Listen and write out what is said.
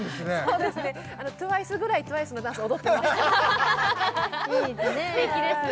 そうですねＴＷＩＣＥぐらいＴＷＩＣＥのダンス踊ってますいいですね